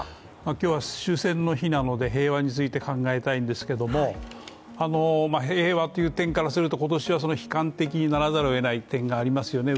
今日は終戦の日なので平和について考えたいんですけど平和という点からすると、今年は悲観的にならざるをえない点がありますよね。